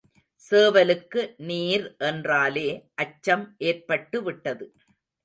சேவலுக்கு நீர் என்றாலே அச்சம் ஏற்பட்டு விட்டது.